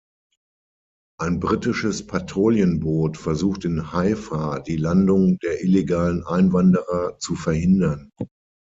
Ein britisches Patrouillenboot versucht in Haifa die Landung der illegalen Einwanderer zu verhindern.